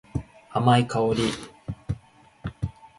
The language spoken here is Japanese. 甘い香り。